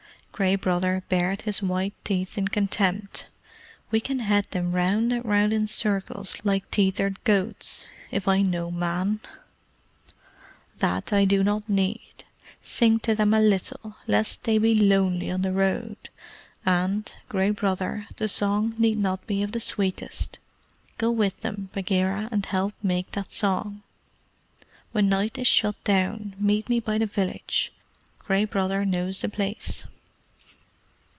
Gray Brother bared his white teeth in contempt. "We can head them round and round in circles like tethered goats if I know Man." "That I do not need. Sing to them a little, lest they be lonely on the road, and, Gray Brother, the song need not be of the sweetest. Go with them, Bagheera, and help make that song. When night is shut down, meet me by the village Gray Brother knows the place."